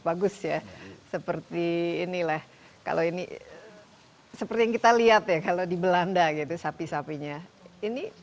bagus ya seperti inilah kalau ini seperti yang kita lihat ya kalau di belanda gitu sapi sapinya ini